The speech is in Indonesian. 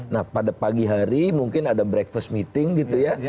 nah pada pagi hari mungkin ada breakfast meeting gitu ya